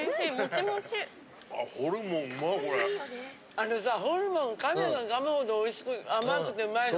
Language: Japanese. あのさホルモン噛めば噛むほどおいしく甘くてうまいの。